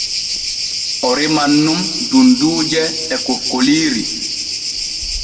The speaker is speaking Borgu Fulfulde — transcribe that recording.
O reman nun dunduuje e kokkoliiri.